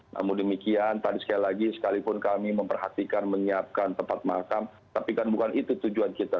namun demikian tadi sekali lagi sekalipun kami memperhatikan menyiapkan tempat makam tapi kan bukan itu tujuan kita